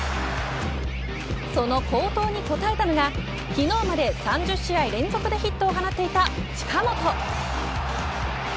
その好投に応えたのが昨日まで３０試合連続でヒットを放っていた近本。